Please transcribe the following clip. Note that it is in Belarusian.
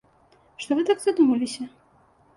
Што вы так задумаліся?